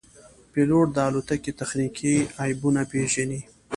پیلوټ د الوتکې تخنیکي عیبونه پېژني.